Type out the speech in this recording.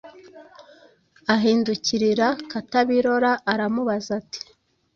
Ahindukirira Katabirora aramubaza ati: “